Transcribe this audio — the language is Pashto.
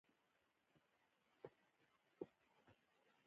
نو د نا امېدۍ مسکا يې وکړه وې چې کېدے شي